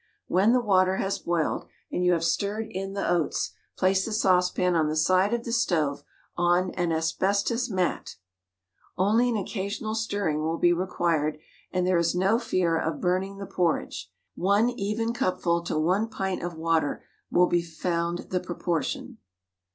When the water has boiled, and you have stirred in the oats, place the saucepan on the side of the stove on an asbestos mat. Only an occasional stirring will be required, and there is no fear of burning the porridge. If the porridge is preferred thinner, 1 even cupful to 1 pint of water will be found the proportion.